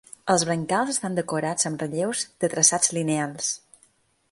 Els brancals estan decorats amb relleus de traçats lineals.